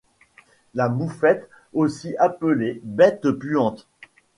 La moufette aussi appelée bête puante